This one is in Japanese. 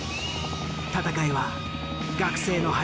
戦いは学生の敗北。